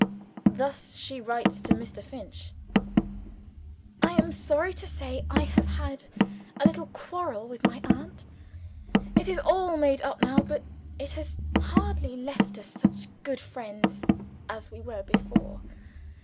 "Thus she writes to Mr. Finch: "'I am sorry to say, I have had a little quarrel with my aunt. It is all made up now, but it has hardly left us such good friends as we were before.